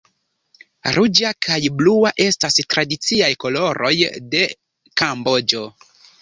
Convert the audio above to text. Ruĝa kaj blua estas tradiciaj koloroj de Kamboĝo.